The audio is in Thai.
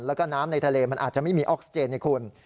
แล้วก็น้ำในทะเลมันอาจจะไม่มีออกซิเจนให้คุณ